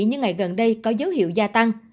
như ngày gần đây có dấu hiệu gia tăng